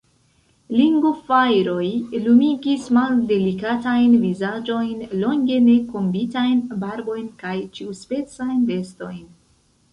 Lignofajroj lumigis maldelikatajn vizaĝojn, longe ne kombitajn barbojn kaj ĉiuspecajn vestojn.